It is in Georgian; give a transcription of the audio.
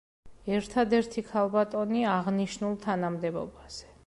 ერთადერთი ქალბატონი აღნიშნულ თანამდებობაზე.